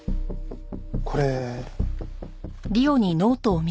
これ。